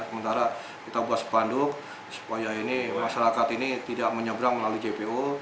sementara kita buat sepanduk supaya ini masyarakat ini tidak menyeberang melalui jpo